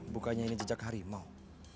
bukannya ini jejak harimau